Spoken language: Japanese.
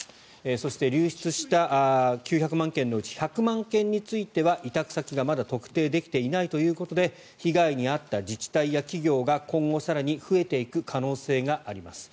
そして流出した９００万件のうち１００万件については委託先がまだ特定できていないということで被害に遭った自治体や企業が今後、更に増えていく可能性があります。